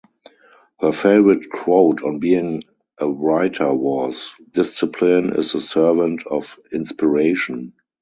Her favorite quote on being a writer was: Discipline is the servant of inspiration.